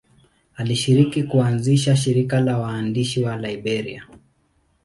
Alishiriki kuanzisha shirika la waandishi wa Liberia.